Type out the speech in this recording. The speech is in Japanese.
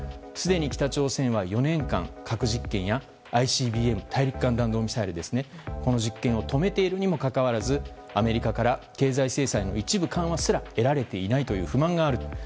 すでに北朝鮮は４年間核実験やＩＣＢＭ・大陸間弾道ミサイルこの実験を止めているにもかかわらずアメリカから経済制裁の一部緩和すら得られていないという不満がある。